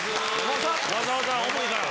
わざわざ青森から。